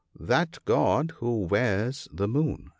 That God who wears the Moon.